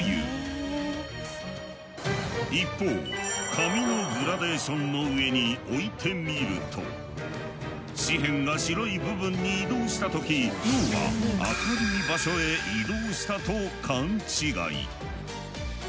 一方紙のグラデーションの上に置いてみると紙片が白い部分に移動した時脳は明るい場所へ移動したと勘違い。